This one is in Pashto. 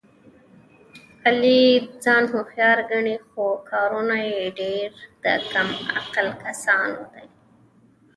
علي ځان هوښیار ګڼي، خو کارونه یې ډېر د کم عقله کسانو دي.